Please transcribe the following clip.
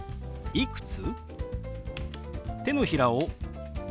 「いくつ？」。